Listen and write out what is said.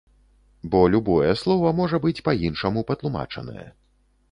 Бо любое слова можа быць па-іншаму патлумачанае.